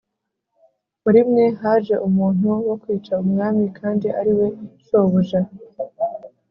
Muri mwe haje umuntu wo kwica umwami, kandi ari we shobuja.